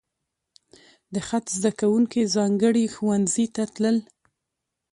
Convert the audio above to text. د خط زده کوونکي ځانګړي ښوونځي ته تلل.